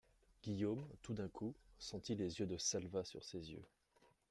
Guillaume, tout d'un coup, sentit les yeux de Salvat sur ses yeux.